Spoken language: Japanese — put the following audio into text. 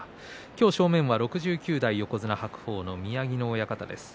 正面は６９代横綱白鵬の宮城野親方です。